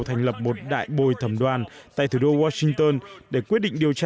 thành lập một đại bồi thẩm đoàn tại thủ đô washington để quyết định điều tra